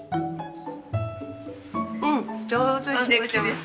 うん上手にできています。